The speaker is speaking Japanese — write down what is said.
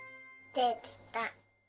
できた。